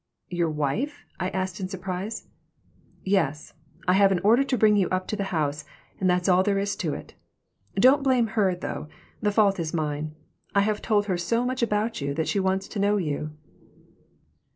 "Your wife?" I asked in surprise. "Yes. I have an order to bring you up to the house, and that's all there is to it. Don't blame her, though. The fault is mine. I have told her so much about you she wants to know you."